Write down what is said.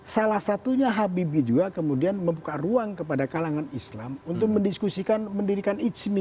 salah satunya habibie juga kemudian membuka ruang kepada kalangan islam untuk mendiskusikan mendirikan ijmi